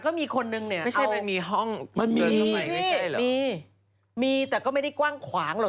ก็มีคนหนึ่งเนี่ยเอามีมีมีแต่ก็ไม่ได้กว้างขวางหรอก